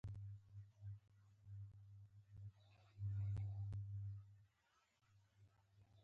دوه تنه نور لندن ته تګونکي وو.